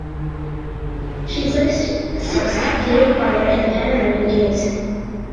She placed sixth the year prior in the Pan American Games.